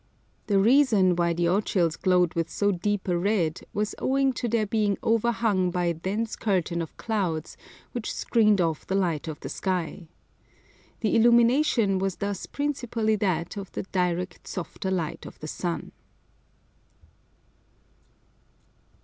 The reason why the Ochils glowed with so deep a red was owing to their being overhung by a dense curtain of clouds, which screened off the light of the sky. The illumination was thus principally that of the direct softer light of the sun.